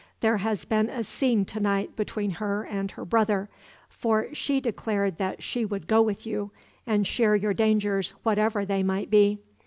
There has been a scene tonight between her and her brother; for she declared that she would go with you, and share your dangers, whatever they might be.